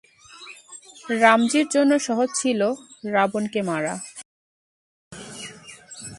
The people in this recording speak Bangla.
রামজির জন্য সহজ ছিলো রাবণকে মারা।